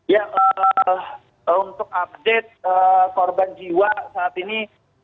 ya untuk update korban jiwa saat ini